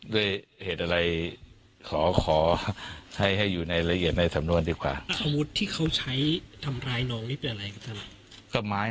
ด้วยเหตุอะไรขอให้อยู่ในราย